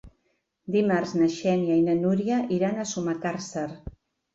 Dimarts na Xènia i na Núria iran a Sumacàrcer.